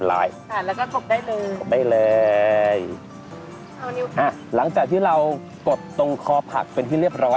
อ๋อนี่พูดไหมเราก็จะตั้งชื่อต้นไม้กันนะคะเพื่อว่า